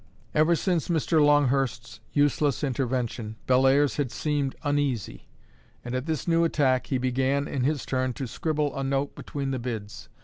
Ever since Mr. Longhurst's useless intervention, Bellairs had seemed uneasy; and at this new attack, he began (in his turn) to scribble a note between the bids.